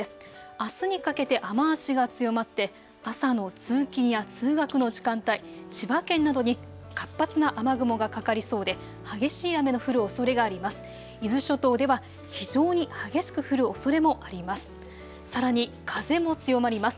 あすにかけて雨足が強まって朝の通勤や通学の時間帯、千葉県などに活発な雨雲がかかりそうで激しい雨の降るおそれがあります。